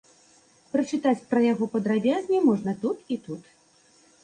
Пачытаць пра яго падрабязней можна тут і тут.